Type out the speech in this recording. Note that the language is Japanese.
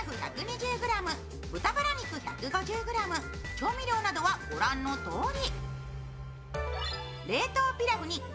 調味料などは、ご覧のとおり。